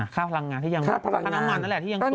ค่าพลังงานที่ยังสูงขึ้น